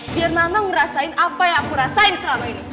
biar mama ngerasain apa yang aku rasain selama ini